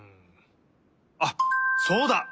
あっそうだ！